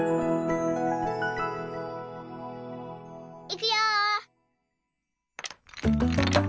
いくよ！